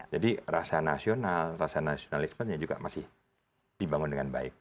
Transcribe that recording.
jadi rasa nasional rasa nasionalisme juga masih dibangun dengan baik